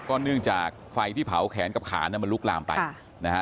เนื่องจากไฟที่เผาแขนกับขาน่ะมันลุกลามไปนะฮะ